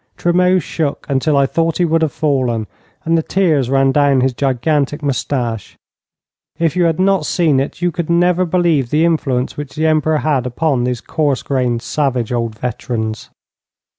Tremeau shook until I thought he would have fallen, and the tears ran down his gigantic moustache. If you had not seen it, you could never believe the influence which the Emperor had upon those coarse grained, savage old veterans.